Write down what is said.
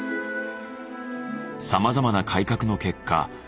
さまざまな改革の結果